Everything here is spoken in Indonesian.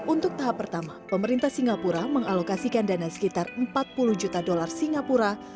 untuk tahap pertama pemerintah singapura mengalokasikan dana sekitar empat puluh juta dolar singapura